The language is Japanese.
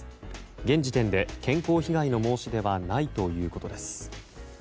現時点で、健康被害の申し出はないということです。